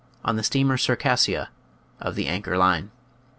on the steamer Circassia of the Anchor Line.